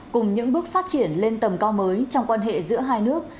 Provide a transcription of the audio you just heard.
cùng những bước phát triển lên tầm cao mới trong quan hệ giữa hai nước